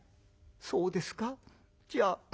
「そうですかじゃあ。